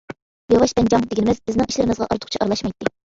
«ياۋاش بەنجاڭ» دېگىنىمىز، بىزنىڭ ئىشلىرىمىزغا ئارتۇقچە ئارىلاشمايتتى.